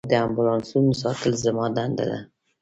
د امبولانسونو ساتل زما دنده ده.